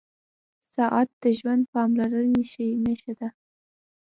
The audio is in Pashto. • ساعت د ژوند د پاملرنې نښه ده.